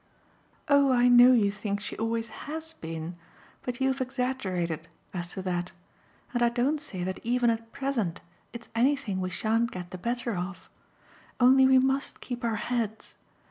"Oh I know you think she always HAS been! But you've exaggerated as to that; and I don't say that even at present it's anything we shan't get the better of. Only we must keep our heads.